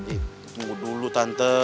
eh tunggu dulu tante